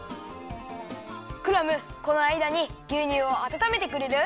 クラムこのあいだにぎゅうにゅうをあたためてくれる？